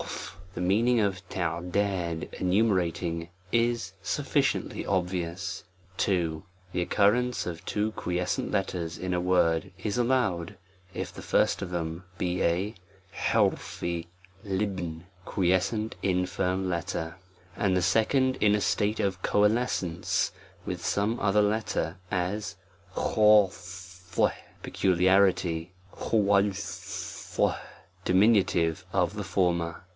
The meaning of enumerating, is sufficiently obvious. 40 A TREATISE ON THE II. THE occurrence of two quiescent letters in a word is allowed, if the first of them be a Jj c_J ^ quiescent infirm letter, and the second in a state of coalescence with some other letter; as &oUi peculiarity '>}*. diminutive of the former.